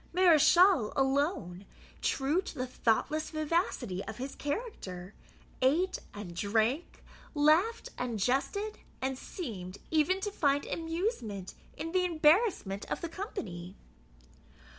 Mareschal alone, true to the thoughtless vivacity of his character, ate and drank, laughed and jested, and seemed even to find amusement in the embarrassment of the company.